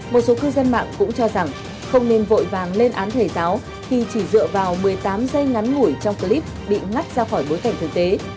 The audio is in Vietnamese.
một số cư dân mạng cũng cho rằng không nên vội vàng lên án thầy giáo khi chỉ dựa vào một mươi tám giây ngắn ngủi trong clip bị ngắt ra khỏi bối cảnh thực tế